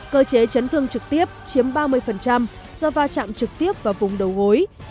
cơ chế chấn thương trực tiếp chiếm ba mươi do va chạm trực tiếp vào vùng đầu gối